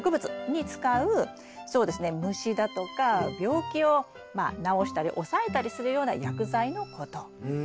虫だとか病気を治したり抑えたりするような薬剤のこと。